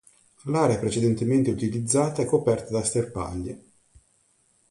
L'area precedentemente utilizzata è coperta da sterpaglie.